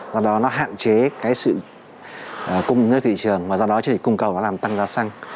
do đó nó hạn chế cái sự cung nơi thị trường và do đó chỉ để cung cầu nó làm tăng giá xăng